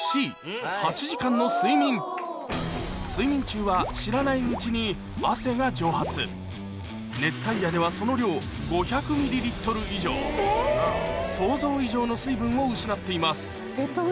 睡眠中は知らないうちに汗が蒸発その量想像以上の水分を失っています